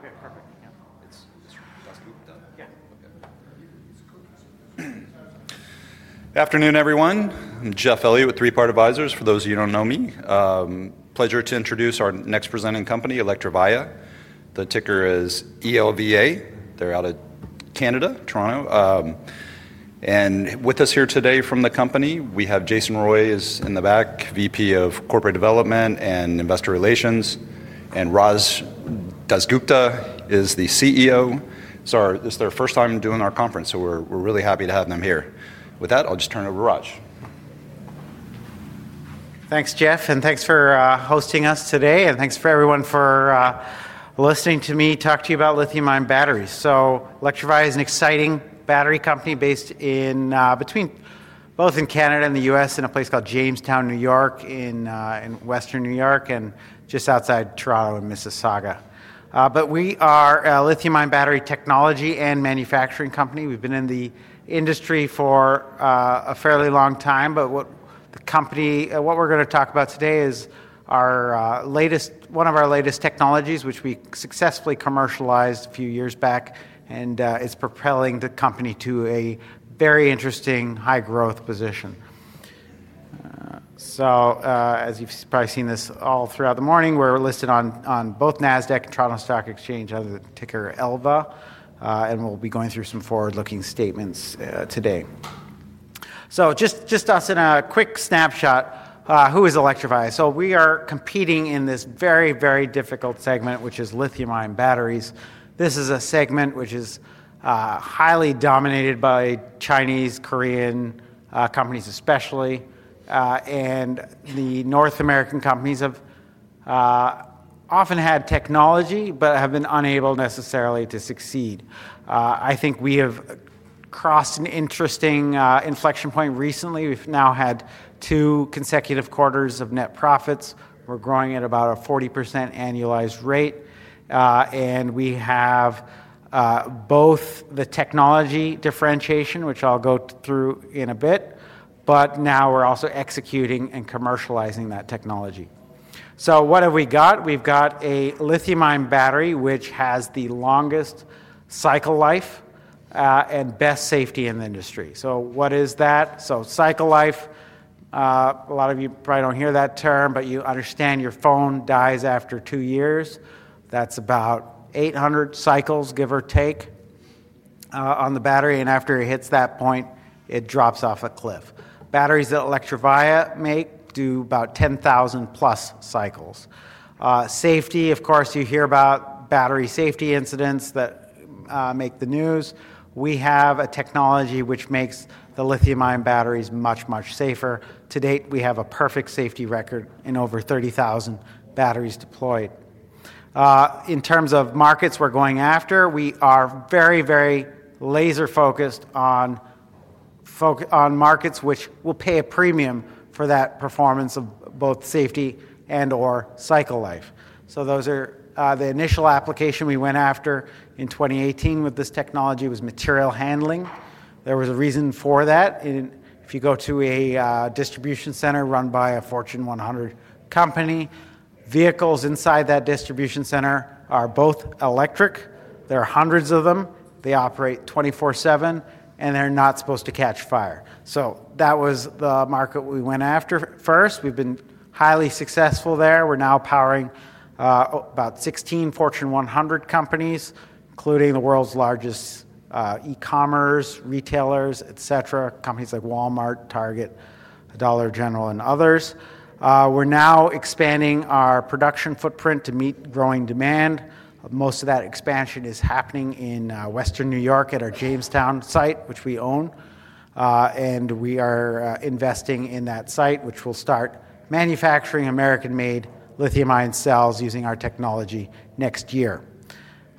Give me a quick intro. Okay, perfect. Oh, it's DasGupta? Yeah. Okay. Afternoon, everyone. I'm Jeff Elliott with Three Part Advisors. For those of you who don't know me, pleasure to introduce our next presenting company, Electrovaya. The ticker is ELVA. They're out of Canada, Toronto, and with us here today from the company, we have Jason Roy in the back, Vice President of Corporate Development and Investor Relations, and Raj DasGupta is the CEO. It's their first time doing our conference, so we're really happy to have them here. With that, I'll just turn it over to Raj. Thanks, Jeff, and thanks for hosting us today, and thanks for everyone for listening to me talk to you about lithium-ion batteries. Electrovaya is an exciting battery company based in both Canada and the U.S., in a place called Jamestown, New York, in Western New York and just outside Toronto in Mississauga. We are a lithium-ion battery technology and manufacturing company. We've been in the industry for a fairly long time, but what the company, what we're going to talk about today is our latest, one of our latest technologies, which we successfully commercialized a few years back and is propelling the company to a very interesting high-growth position. As you've probably seen this all throughout the morning, we're listed on both NASDAQ and Toronto Stock Exchange under the ticker ELVA, and we'll be going through some forward-looking statements today. Just us in a quick snapshot, who is Electrovaya? We are competing in this very, very difficult segment, which is lithium-ion batteries. This is a segment which is highly dominated by Chinese, Korean companies especially, and the North American companies have often had technology but have been unable necessarily to succeed. I think we have crossed an interesting inflection point recently. We've now had two consecutive quarters of net profits. We're growing at about a 40% annualized rate, and we have both the technology differentiation, which I'll go through in a bit, but now we're also executing and commercializing that technology. What have we got? We've got a lithium-ion battery which has the longest cycle life and best safety in the industry. What is that? Cycle life, a lot of you probably don't hear that term, but you understand your phone dies after two years. That's about 800 cycles, give or take, on the battery, and after it hits that point, it drops off a cliff. Batteries that Electrovaya make do about 10,000+ cycles. Safety, of course, you hear about battery safety incidents that make the news. We have a technology which makes the lithium-ion batteries much, much safer. To date, we have a perfect safety record in over 30,000 batteries deployed. In terms of markets we're going after, we are very, very laser-focused on markets which will pay a premium for that performance of both safety and/or cycle life. The initial application we went after in 2018 with this technology was material handling. There was a reason for that. If you go to a distribution center run by a Fortune 100 company, vehicles inside that distribution center are both electric. There are hundreds of them. They operate 24/7, and they're not supposed to catch fire. That was the market we went after first. We've been highly successful there. We're now powering about 16 Fortune 100 companies, including the world's largest e-commerce retailers, companies like Walmart, Target, Dollar General, and others. We're now expanding our production footprint to meet growing demand. Most of that expansion is happening in Western New York at our Jamestown site, which we own. We are investing in that site, which will start manufacturing American-made lithium-ion cells using our technology next year.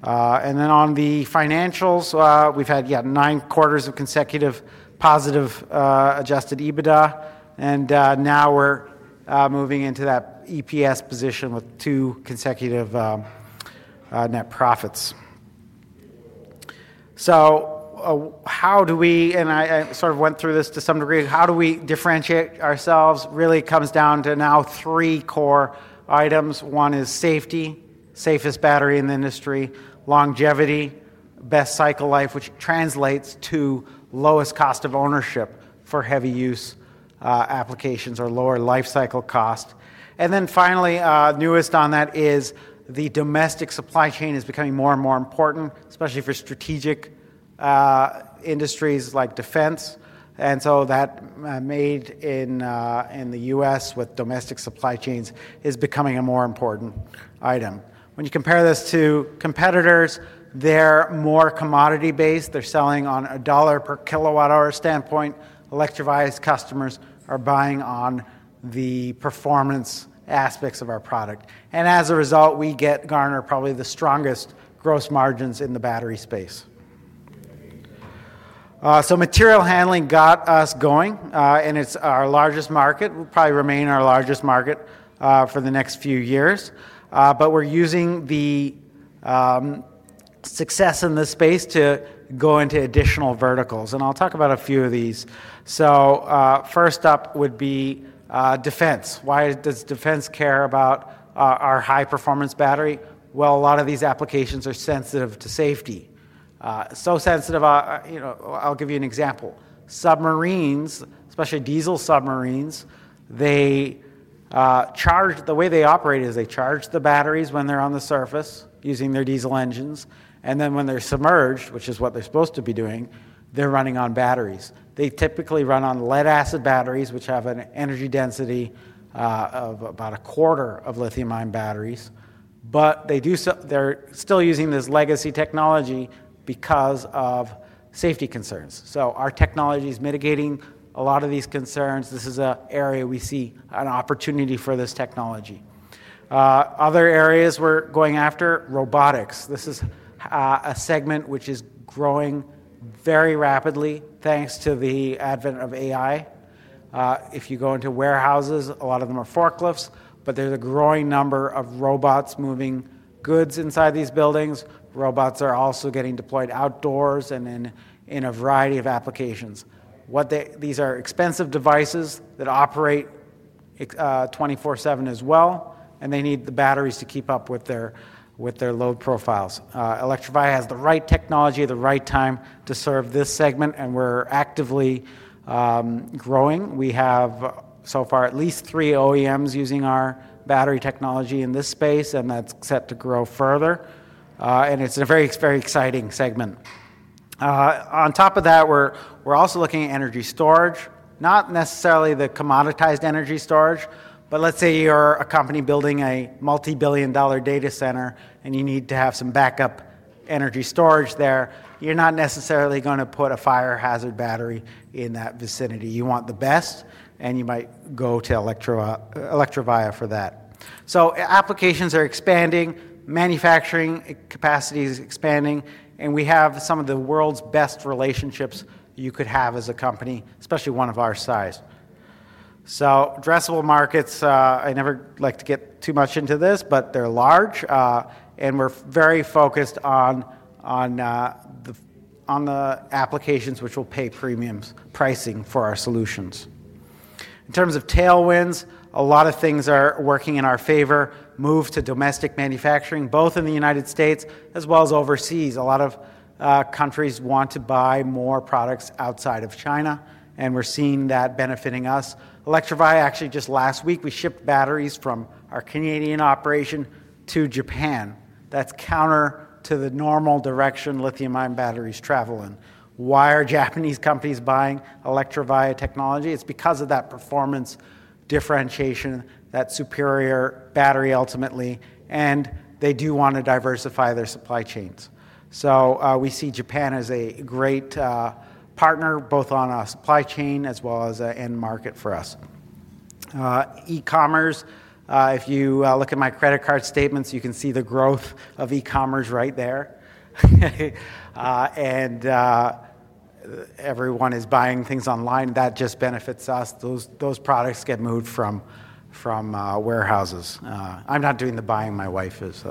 On the financials, we've had nine quarters of consecutive positive adjusted EBITDA, and now we're moving into that EPS position with two consecutive net profits. How do we, and I sort of went through this to some degree, how do we differentiate ourselves? It really comes down to now three core items. One is safety, safest battery in the industry, longevity, best cycle life, which translates to lowest cost of ownership for heavy use applications or lower lifecycle cost. Finally, newest on that is the domestic supply chain is becoming more and more important, especially for strategic industries like defense. Made in the U.S. with domestic supply chains is becoming a more important item. When you compare this to competitors, they're more commodity-based. They're selling on a dollar per kilowatt-hour standpoint. Electrovaya's customers are buying on the performance aspects of our product. As a result, we garner probably the strongest gross margins in the battery space. Material handling got us going, and it's our largest market. It will probably remain our largest market for the next few years. We're using the success in this space to go into additional verticals, and I'll talk about a few of these. First up would be defense. Why does defense care about our high-performance battery? A lot of these applications are sensitive to safety. I'll give you an example. Submarines, especially diesel submarines, they charge, the way they operate is they charge the batteries when they're on the surface using their diesel engines, and then when they're submerged, which is what they're supposed to be doing, they're running on batteries. They typically run on lead-acid batteries, which have an energy density of about a quarter of lithium-ion batteries, but they do so, they're still using this legacy technology because of safety concerns. Our technology is mitigating a lot of these concerns. This is an area we see an opportunity for this technology. Other areas we're going after: robotics. This is a segment which is growing very rapidly thanks to the advent of AI. If you go into warehouses, a lot of them are forklifts, but there's a growing number of robots moving goods inside these buildings. Robots are also getting deployed outdoors and in a variety of applications. These are expensive devices that operate 24/7 as well, and they need the batteries to keep up with their load profiles. Electrovaya has the right technology at the right time to serve this segment, and we're actively growing. We have so far at least three OEMs using our battery technology in this space, and that's set to grow further. It's a very, very exciting segment. On top of that, we're also looking at energy storage, not necessarily the commoditized energy storage, but let's say you're a company building a multi-billion dollar data center and you need to have some backup energy storage there. You're not necessarily going to put a fire hazard battery in that vicinity. You want the best, and you might go to Electrovaya for that. Applications are expanding, manufacturing capacity is expanding, and we have some of the world's best relationships you could have as a company, especially one of our size. Addressable markets, I never like to get too much into this, but they're large, and we're very focused on the applications which will pay premiums, pricing for our solutions. In terms of tailwinds, a lot of things are working in our favor, move to domestic manufacturing, both in the United States as well as overseas. A lot of countries want to buy more products outside of China, and we're seeing that benefiting us. Electrovaya, actually, just last week, we shipped batteries from our Canadian operation to Japan. That's counter to the normal direction lithium-ion batteries travel in. Why are Japanese companies buying Electrovaya technology? It's because of that performance differentiation, that superior battery ultimately, and they do want to diversify their supply chains. We see Japan as a great partner both on a supply chain as well as an end market for us. E-commerce, if you look at my credit card statements, you can see the growth of e-commerce right there. Everyone is buying things online. That just benefits us. Those products get moved from warehouses. I'm not doing the buying. My wife is.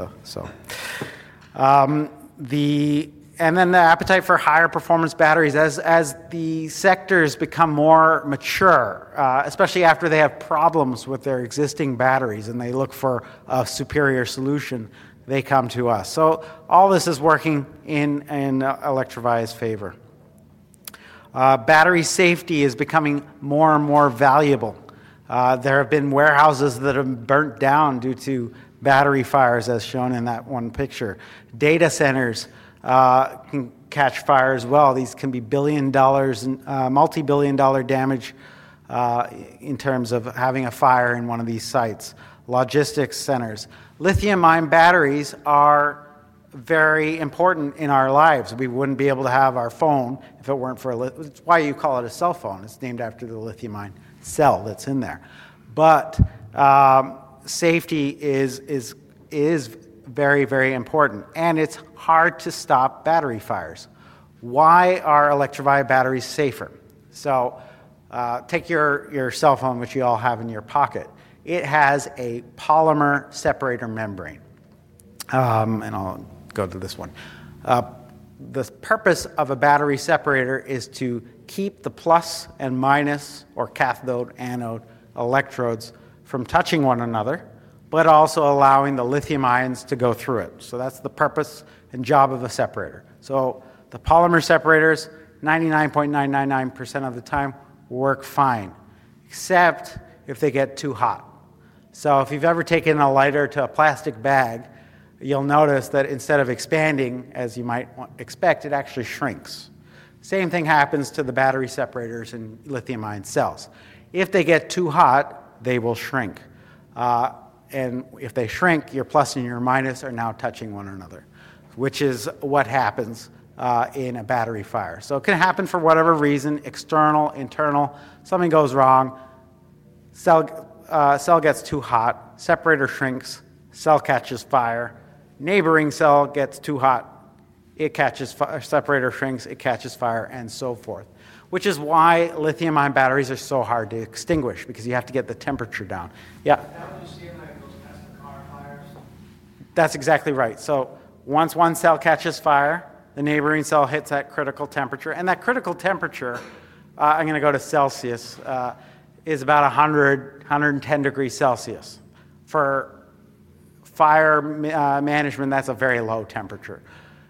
The appetite for higher performance batteries as the sectors become more mature, especially after they have problems with their existing batteries and they look for a superior solution, they come to us. All this is working in Electrovaya's favor. Battery safety is becoming more and more valuable. There have been warehouses that have burnt down due to battery fires, as shown in that one picture. Data centers can catch fire as well. These can be billion dollars and multi-billion dollar damage, in terms of having a fire in one of these sites. Logistics centers. Lithium-ion batteries are very important in our lives. We wouldn't be able to have our phone if it weren't for a lithium. That's why you call it a cell phone. It's named after the lithium-ion cell that's in there. Safety is very, very important, and it's hard to stop battery fires. Why are Electrovaya batteries safer? Take your cell phone, which you all have in your pocket. It has a polymer separator membrane. I'll go to this one. The purpose of a battery separator is to keep the plus and minus, or cathode, anode, electrodes from touching one another, but also allowing the lithium ions to go through it. That's the purpose and job of a separator. The polymer separators, 99.999% of the time, work fine, except if they get too hot. If you've ever taken a lighter to a plastic bag, you'll notice that instead of expanding, as you might expect, it actually shrinks. Same thing happens to the battery separators in lithium-ion cells. If they get too hot, they will shrink. If they shrink, your plus and your minus are now touching one another, which is what happens in a battery fire. It can happen for whatever reason, external, internal, something goes wrong. Cell gets too hot, separator shrinks, cell catches fire, neighboring cell gets too hot, it catches fire, separator shrinks, it catches fire, and so forth. This is why lithium-ion batteries are so hard to extinguish, because you have to get the temperature down. Yeah. That's exactly right. Once one cell catches fire, the neighboring cell hits that critical temperature, and that critical temperature, I'm going to go to Celsius, is about 100°C, 110°C. For fire management, that's a very low temperature,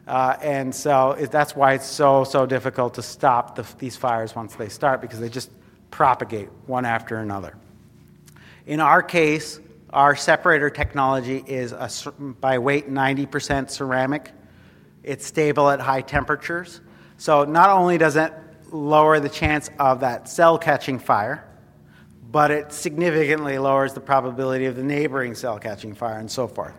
and that's why it's so, so difficult to stop these fires once they start, because they just propagate one after another. In our case, our separator technology is, by weight, 90% ceramic. It's stable at high temperatures. Not only does it lower the chance of that cell catching fire, but it significantly lowers the probability of the neighboring cell catching fire and so forth.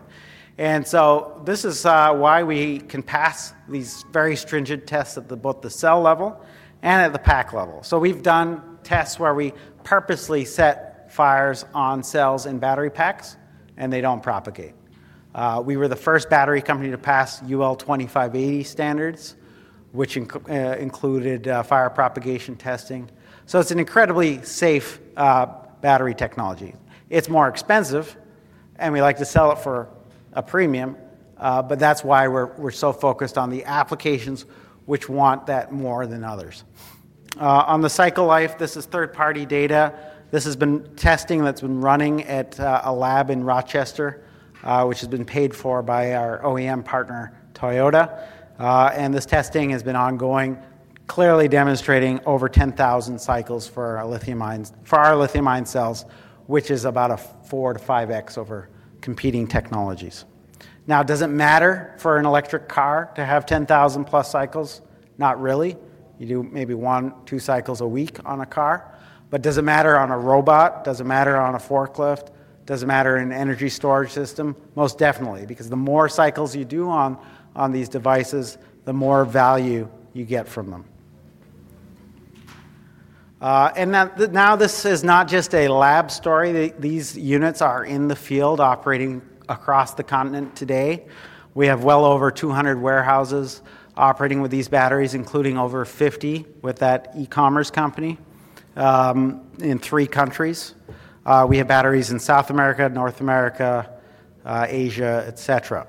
This is why we can pass these very stringent tests at both the cell level and at the pack level. We've done tests where we purposely set fires on cells and battery packs, and they don't propagate. We were the first battery company to pass UL 2580 standards, which included fire propagation testing. It's an incredibly safe battery technology. It's more expensive, and we like to sell it for a premium, but that's why we're so focused on the applications which want that more than others. On the cycle life, this is third-party data. This has been testing that's been running at a lab in Rochester, which has been paid for by our OEM partner, Toyota. This testing has been ongoing, clearly demonstrating over 10,000 cycles for our lithium-ion cells, which is about a 4-5x over competing technologies. Now, does it matter for an electric car to have 10,000+ cycles? Not really. You do maybe one, two cycles a week on a car. Does it matter on a robot? Does it matter on a forklift? Does it matter in an energy storage system? Most definitely, because the more cycles you do on these devices, the more value you get from them. Now this is not just a lab story. These units are in the field operating across the continent today. We have well over 200 warehouses operating with these batteries, including over 50 with that e-commerce company, in three countries. We have batteries in South America, North America, Asia, et cetera,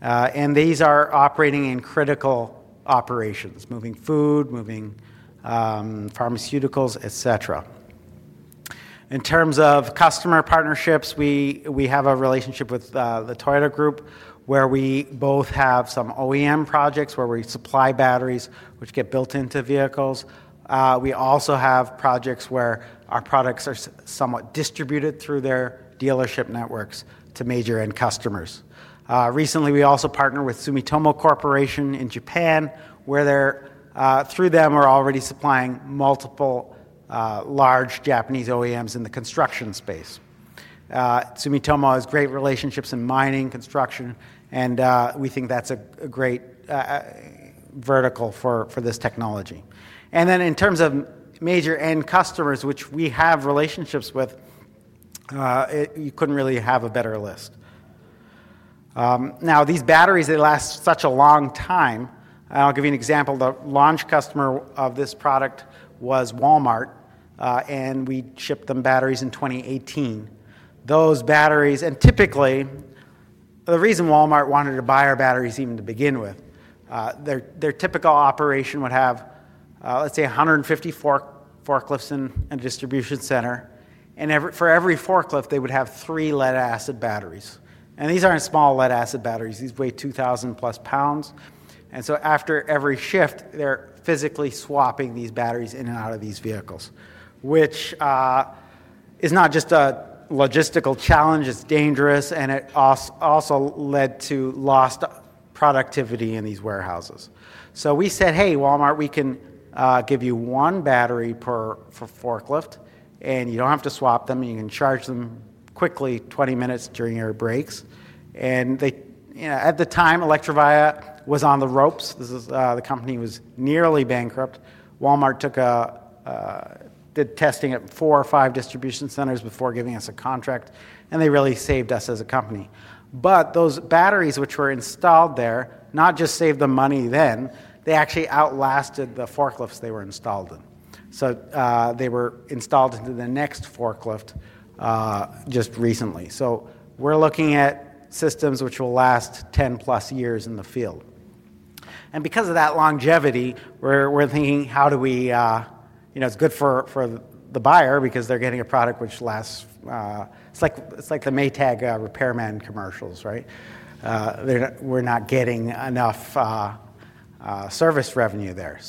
and these are operating in critical operations, moving food, moving pharmaceuticals, et cetera. In terms of customer partnerships, we have a relationship with the Toyota Group, where we both have some OEM projects where we supply batteries, which get built into vehicles. We also have projects where our products are somewhat distributed through their dealership networks to major end customers. Recently, we also partnered with Sumitomo Corporation in Japan, where, through them, we're already supplying multiple, large Japanese OEMs in the construction space. Sumitomo has great relationships in mining, construction, and we think that's a great vertical for this technology. In terms of major end customers, which we have relationships with, you couldn't really have a better list. Now these batteries, they last such a long time. I'll give you an example. The launch customer of this product was Walmart, and we shipped them batteries in 2018. Those batteries, and typically, the reason Walmart wanted to buy our batteries even to begin with, their typical operation would have, let's say, 150 forklifts in a distribution center, and for every forklift, they would have three lead-acid batteries. These aren't small lead-acid batteries. These weigh 2,000+ lbs. After every shift, they're physically swapping these batteries in and out of these vehicles, which is not just a logistical challenge. It's dangerous, and it also led to lost productivity in these warehouses. We said, "Hey, Walmart, we can give you one battery per forklift, and you don't have to swap them, and you can charge them quickly, 20 minutes during your breaks." At the time, Electrovaya was on the ropes. The company was nearly bankrupt. Walmart did testing at four or five distribution centers before giving us a contract, and they really saved us as a company. Those batteries which were installed there not just saved them money then, they actually outlasted the forklifts they were installed in. They were installed into the next forklift, just recently. We're looking at systems which will last 10+ years in the field. Because of that longevity, we're thinking, how do we, you know, it's good for the buyer because they're getting a product which lasts, it's like the Maytag repairman commercials, right? We're not getting enough service revenue there.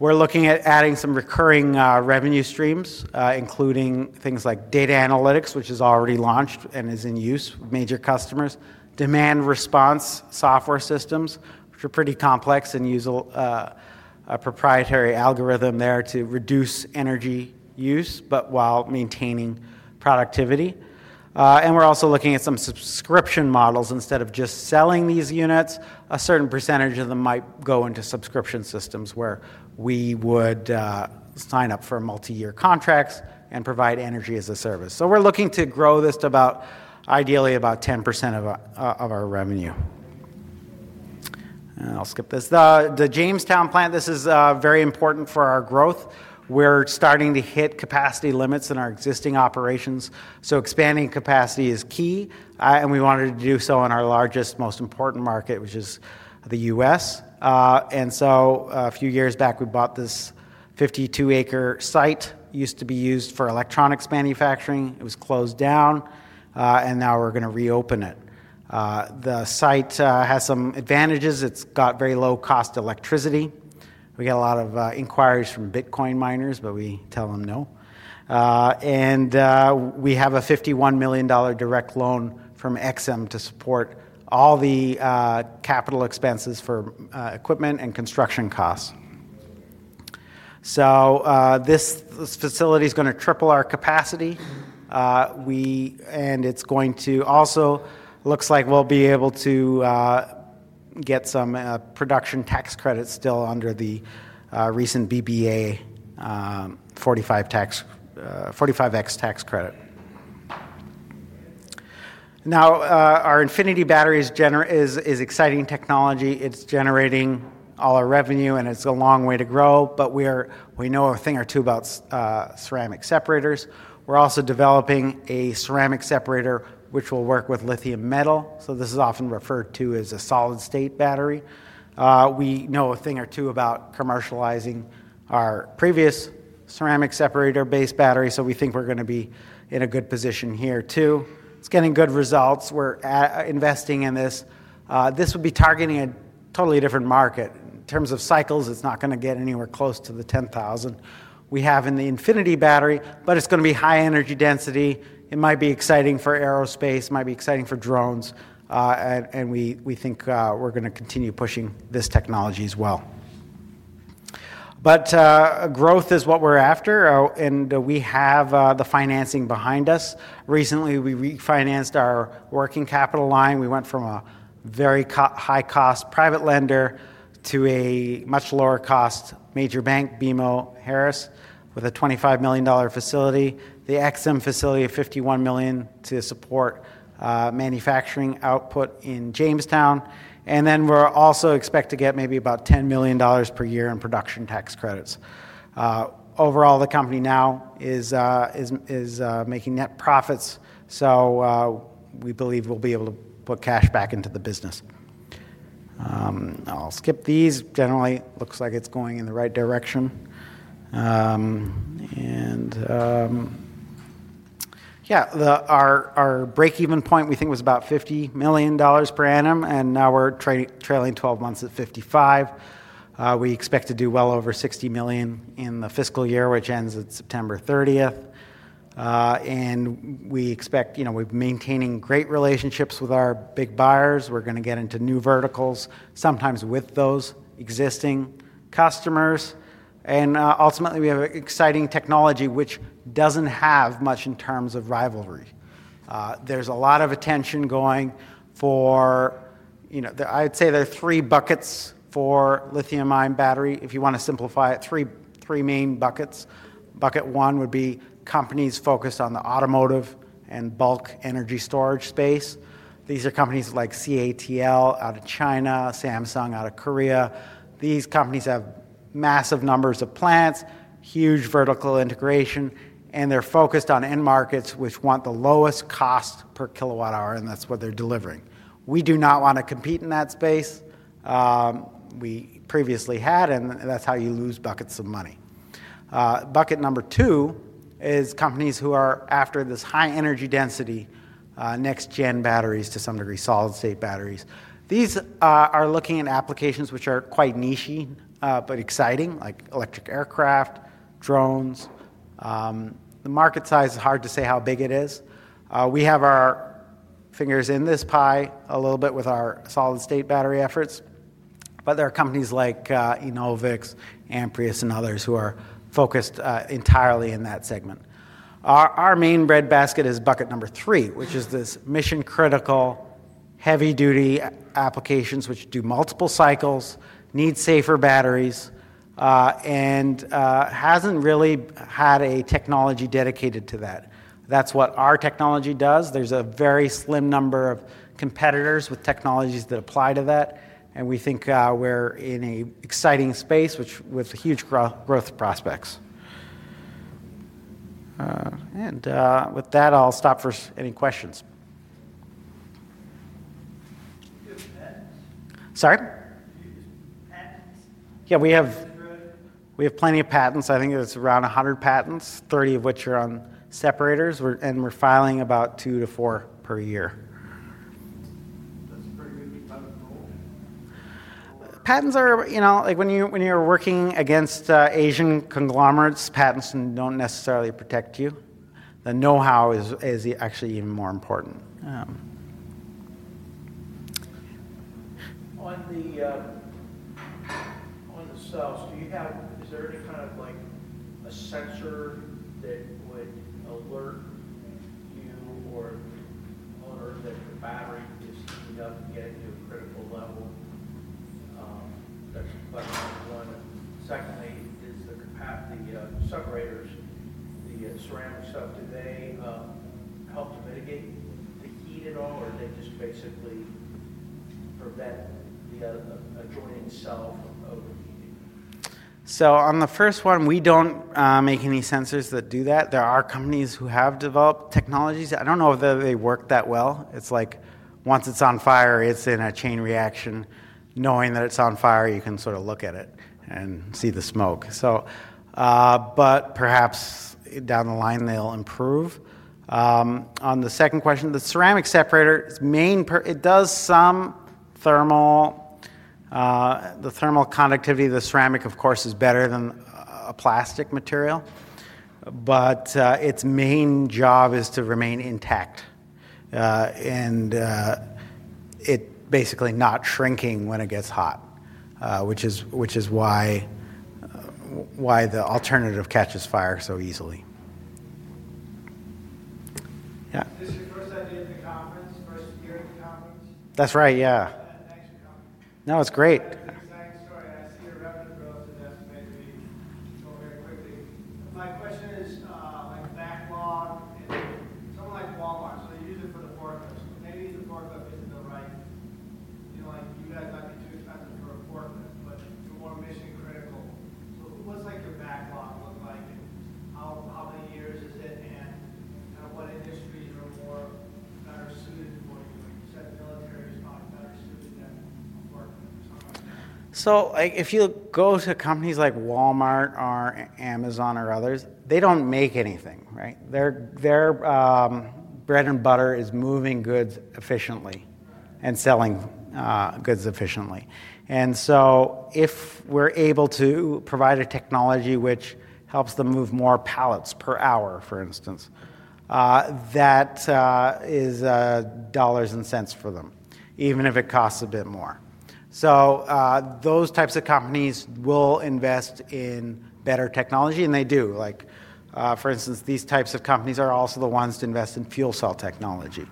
We're looking at adding some recurring revenue streams, including things like data analytics, which is already launched and is in use with major customers, demand response software systems, which are pretty complex and use a proprietary algorithm there to reduce energy use while maintaining productivity. We're also looking at some subscription models. Instead of just selling these units, a certain percentage of them might go into subscription systems where we would sign up for multi-year contracts and provide energy as a service. We're looking to grow this to about, ideally, about 10% of our revenue. I'll skip this. The Jamestown plant is very important for our growth. We're starting to hit capacity limits in our existing operations. Expanding capacity is key, and we wanted to do so in our largest, most important market, which is the U.S. A few years back, we bought this 52-acre site, used to be used for electronics manufacturing. It was closed down, and now we're going to reopen it. The site has some advantages. It's got very low-cost electricity. We get a lot of inquiries from Bitcoin miners, but we tell them no. We have a $51 million direct loan from EXIM to support all the capital expenses for equipment and construction costs. This facility is going to triple our capacity, and it's going to also look like we'll be able to get some production tax credits still under the recent BBA, 45X tax credit. Now, our Infinity battery is exciting technology. It's generating all our revenue, and it's a long way to grow, but we know a thing or two about ceramic separators. We're also developing a ceramic separator which will work with lithium metal. This is often referred to as a solid-state battery. We know a thing or two about commercializing our previous ceramic separator-based battery, so we think we're going to be in a good position here too. It's getting good results. We're investing in this. This would be targeting a totally different market. In terms of cycles, it's not going to get anywhere close to the 10,000 we have in the Infinity battery, but it's going to be high energy density. It might be exciting for aerospace. It might be exciting for drones. We think we're going to continue pushing this technology as well. Growth is what we're after. We have the financing behind us. Recently, we refinanced our working capital line. We went from a very high-cost private lender to a much lower-cost major bank, BMO Harris, with a $25 million facility, the EXIM facility of $51 million to support manufacturing output in Jamestown. We're also expected to get maybe about $10 million per year in production tax credits. Overall, the company now is making net profits. We believe we'll be able to put cash back into the business. I'll skip these. Generally, it looks like it's going in the right direction. Our break-even point we think was about $50 million per annum, and now we're trailing 12 months at $55 million. We expect to do well over $60 million in the fiscal year, which ends at September 30th. We expect, you know, we're maintaining great relationships with our big buyers. We're going to get into new verticals, sometimes with those existing customers. Ultimately, we have an exciting technology which doesn't have much in terms of rivalry. There's a lot of attention going for, you know, I'd say there are three buckets for lithium-ion battery. If you want to simplify it, three main buckets. Bucket one would be companies focused on the automotive and bulk energy storage space. These are companies like CATL out of China, Samsung out of Korea. These companies have massive numbers of plants, huge vertical integration, and they're focused on end markets which want the lowest cost per kilowatt-hour, and that's what they're delivering. We do not want to compete in that space. We previously had, and that's how you lose buckets of money. Bucket number two is companies who are after this high energy density, next-gen batteries, to some degree, solid-state batteries. These are looking at applications which are quite niche, but exciting, like electric aircraft, drones. The market size is hard to say how big it is. We have our fingers in this pie a little bit with our solid-state battery efforts, but there are companies like Enovix, Amprius, and others who are focused entirely in that segment. Our main breadbasket is bucket number three, which is this mission-critical, heavy-duty applications which do multiple cycles, need safer batteries, and hasn't really had a technology dedicated to that. That's what our technology does. There's a very slim number of competitors with technologies that apply to that, and we think we're in an exciting space with huge growth prospects. With that, I'll stop for any questions. Sorry? We have plenty of patents. I think it's around 100 patents, 30 of which are on separators, and we're filing about two to four per year. Patents are, you know, like when you're working against Asian conglomerates, patents don't necessarily protect you. The know-how is actually even more important. On the cells, do you have, is there any kind of like a sensor that would alert you or the owners that your battery that's not yet at a critical level that you click on? Secondly, does the separators, the ceramic stuff, do they help to mitigate the heat at all, or do they just basically prevent the adjoining cell? On the first one, we don't make any sensors that do that. There are companies who have developed technologies. I don't know if they work that well. It's like once it's on fire, it's in a chain reaction. Knowing that it's on fire, you can sort of look at it and see the smoke. Perhaps down the line, they'll improve. On the second question, the ceramic separator does some thermal, the thermal conductivity of the ceramic, of course, is better than a plastic material. Its main job is to remain intact, and it's basically not shrinking when it gets hot, which is why the alternative catches fire so easily. Yeah. That's right, yeah. No, it's great. My question is, like that one, like Walmart, they use it for the forklifts. Maybe the forklift isn't the right, you know, like you guys have a ticket patent for a forklift, but for a mission-critical, what's the backlog look like? How many years is it in? What industry or more batteries do you need for? You said milliliters. If you go to companies like Walmart or Amazon or others, they don't make anything, right? Their bread and butter is moving goods efficiently and selling goods efficiently. If we're able to provide a technology which helps them move more pallets per hour, for instance, that is dollars and cents for them, even if it costs a bit more. Those types of companies will invest in better technology, and they do. For instance, these types of companies are also the ones to invest in fuel cell technology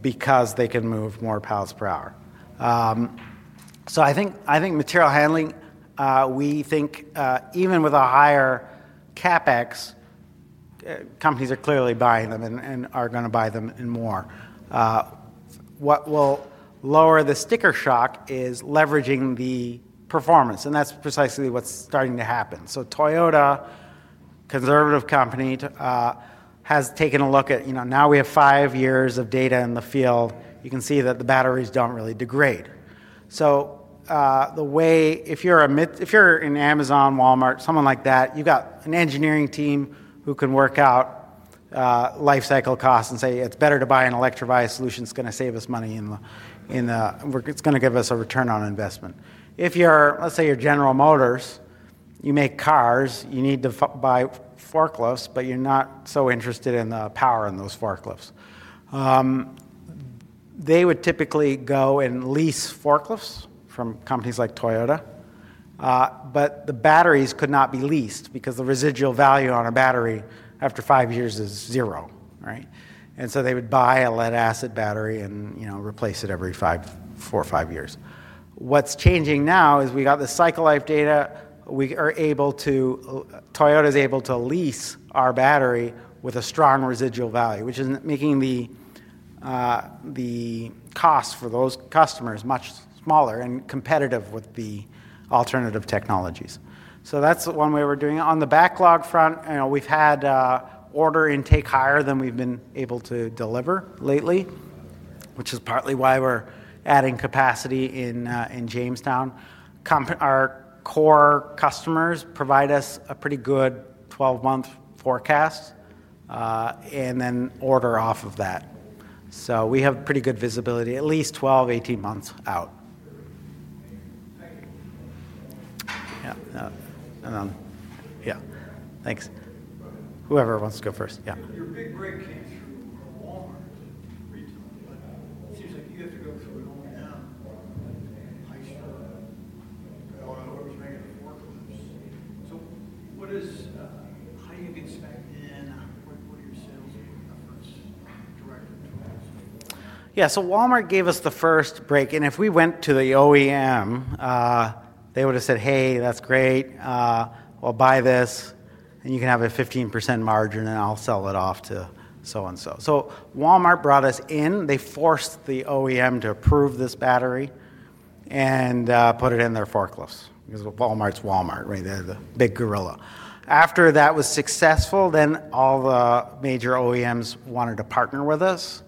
because they can move more pallets per hour. I think material handling, we think, even with a higher CapEx, companies are clearly buying them and are going to buy them and more. What will lower the sticker shock is leveraging the performance, and that's precisely what's starting to happen. Toyota, a conservative company, has taken a look at, you know, now we have five years of data in the field. You can see that the batteries don't really degrade. The way, if you're an Amazon, Walmart, someone like that, you've got an engineering team who can work out lifecycle costs and say it's better to buy an Electrovaya solution that's going to save us money, it's going to give us a return on investment. If you're, let's say you're General Motors, you make cars, you need to buy forklifts, but you're not so interested in the power in those forklifts. They would typically go and lease forklifts from companies like Toyota, but the batteries could not be leased because the residual value on a battery after five years is zero, right? They would buy a lead-acid battery and replace it every four or five years. What's changing now is we got the cycle life data. We are able to, Toyota is able to lease our battery with a strong residual value, which is making the cost for those customers much smaller and competitive with the alternative technologies. That's one way we're doing it. On the backlog front, we've had order intake higher than we've been able to deliver lately, which is partly why we're adding capacity in Jamestown. Our core customers provide us a pretty good 12-month forecast, and then order off of that. We have pretty good visibility at least 12, 18 months out. Thanks. Whoever wants to go first, yeah. Your big break came through Walmart. Retail. It seems like you have to go through Walmart. What is high-end expected? Yeah, so Walmart gave us the first break, and if we went to the OEM, they would have said, "Hey, that's great. I'll buy this, and you can have a 15% margin, and I'll sell it off to so and so." Walmart brought us in. They forced the OEM to approve this battery and put it in their forklifts because Walmart's Walmart, right? They're the big gorilla. After that was successful, all the major OEMs wanted to partner with us.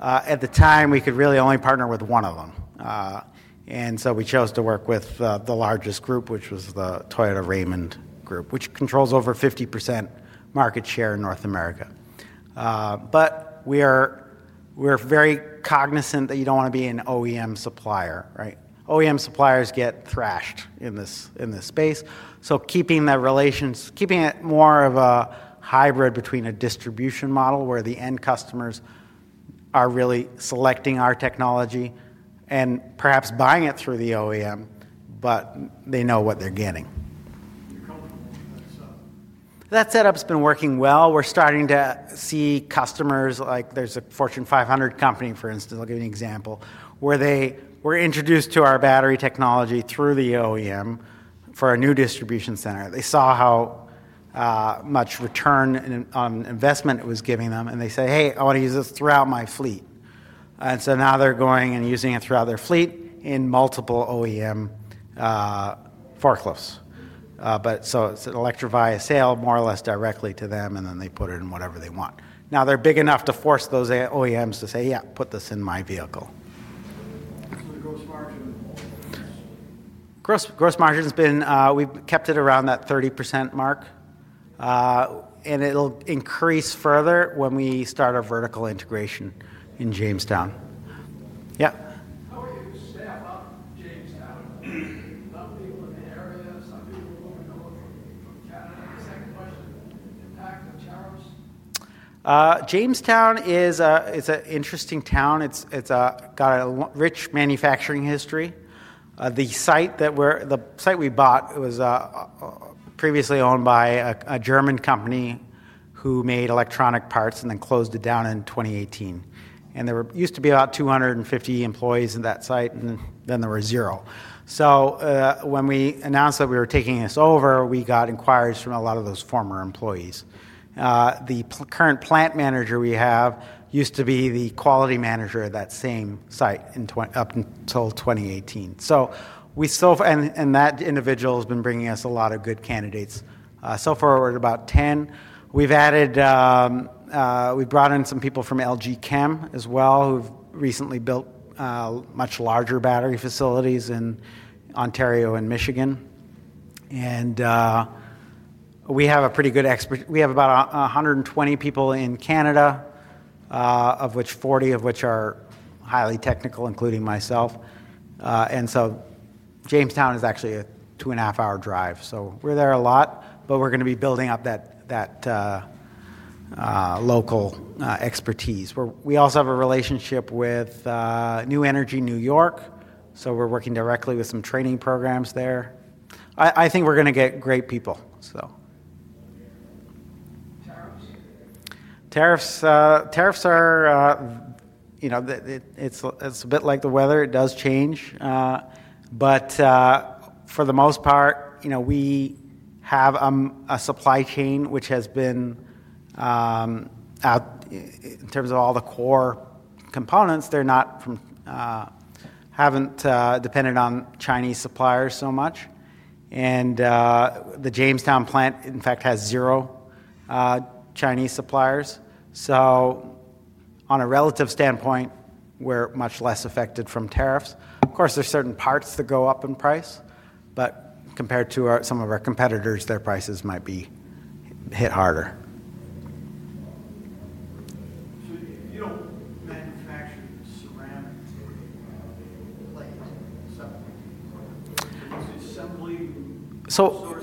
At the time, we could really only partner with one of them, and so we chose to work with the largest group, which was the Toyota Raymond Group, which controls over 50% market share in North America. We are very cognizant that you don't want to be an OEM supplier, right? OEM suppliers get thrashed in this space. Keeping that relationship, keeping it more of a hybrid between a distribution model where the end customers are really selecting our technology and perhaps buying it through the OEM, but they know what they're getting. That setup's been working well. We're starting to see customers, like there's a Fortune 500 company, for instance, I'll give you an example, where they were introduced to our battery technology through the OEM for a new distribution center. They saw how much return on investment it was giving them, and they say, "Hey, I want to use this throughout my fleet." Now they're going and using it throughout their fleet in multiple OEM forklifts. It's an Electrovaya sale more or less directly to them, and then they put it in whatever they want. Now they're big enough to force those OEMs to say, "Yeah, put this in my vehicle." Gross margin's been, we've kept it around that 30% mark, and it'll increase further when we start a vertical integration in Jamestown. Yeah. Jamestown, is it legal in the area? Some people want to go up from Chad. Jamestown is an interesting town. It's got a rich manufacturing history. The site that we're, the site we bought was previously owned by a German company who made electronic parts and then closed it down in 2018. There used to be about 250 employees in that site, and then there were zero. When we announced that we were taking this over, we got inquiries from a lot of those former employees. The current Plant Manager we have used to be the Quality Manager at that same site up until 2018. We still, and that individual has been bringing us a lot of good candidates. So far we're at about 10. We've added, we brought in some people from LG Chem as well, who've recently built much larger battery facilities in Ontario and Michigan. We have a pretty good, we have about 120 people in Canada, of which 40 of which are highly technical, including myself. Jamestown is actually a two-and-a-half-hour drive. We're there a lot, but we're going to be building up that local expertise. We also have a relationship with New Energy New York. We're working directly with some training programs there. I think we're going to get great people. Tariffs are, you know, it's a bit like the weather. It does change. For the most part, we have a supply chain which has been, in terms of all the core components, they're not from, haven't depended on Chinese suppliers so much. The Jamestown plant, in fact, has zero Chinese suppliers. On a relative standpoint, we're much less affected from tariffs. Of course, there's certain parts that go up in price, but compared to some of our competitors, their prices might be hit harder. You don't manufacture the ceramics every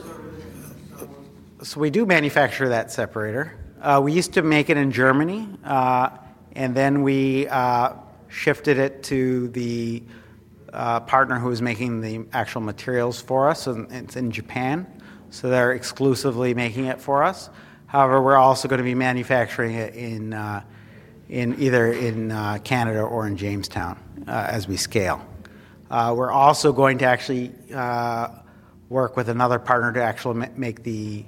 time. We do manufacture that separator. We used to make it in Germany, and then we shifted it to the partner who is making the actual materials for us, and it's in Japan. They're exclusively making it for us. However, we're also going to be manufacturing it in either Canada or in Jamestown, as we scale. We're also going to actually work with another partner to actually make the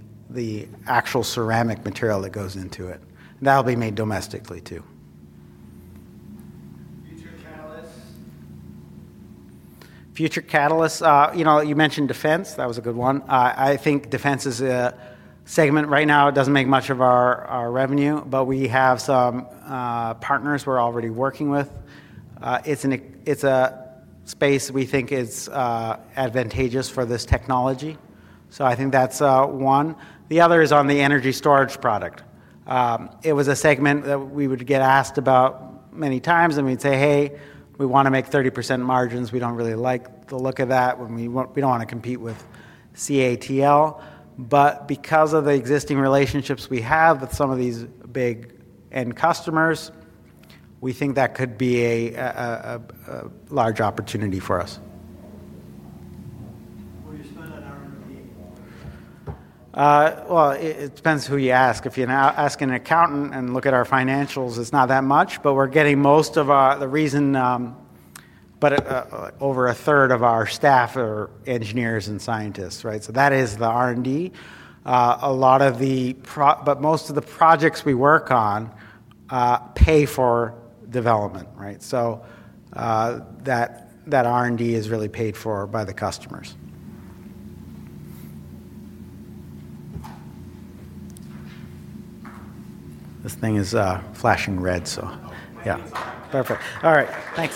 actual ceramic material that goes into it. That'll be made domestically too. Future catalysts, you know, you mentioned defense. That was a good one. I think defense is a segment right now. It doesn't make much of our revenue, but we have some partners we're already working with. It's a space we think is advantageous for this technology. I think that's one. The other is on the energy storage product. It was a segment that we would get asked about many times, and we'd say, "Hey, we want to make 30% margins. We don't really like the look of that. We don't want to compete with CATL." Because of the existing relationships we have with some of these big end customers, we think that could be a large opportunity for us. It depends who you ask. If you now ask an accountant and look at our financials, it's not that much, but we're getting most of our, the reason, but over a third of our staff are engineers and scientists, right? That is the R&D. Most of the projects we work on pay for development, right? That R&D is really paid for by the customers. This thing is flashing red, so yeah. Perfect. All right. Thanks.